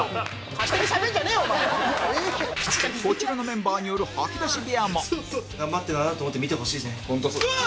そしてこちらのメンバーによる吐き出し部屋も頑張ってるんだなって思って見てほしいですね。